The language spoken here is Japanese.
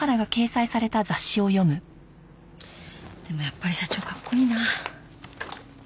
でもやっぱり社長かっこいいなあ。